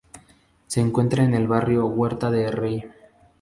Se encuentra en el barrio Huerta del rey